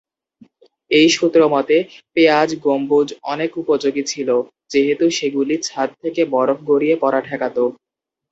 এই সূত্রমতে, পেঁয়াজ গম্বুজ অনেক উপযোগী ছিল, যেহেতু সেগুলি ছাদ থেকে বরফ গড়িয়ে পরা ঠেকাত।